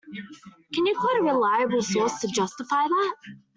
Can you quote a reliable source to justify that?